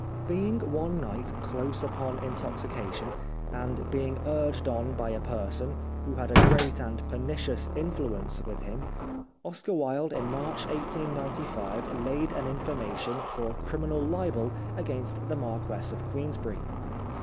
Being one night close upon intoxication, and being urged on by a person, who^had a great and pernicious influence with him, Oscar Wilde in March 1895 laid an information for criminal libel against the Marquess of Queensberry.